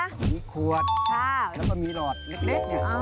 มีขวดและมีหลอดเล็บ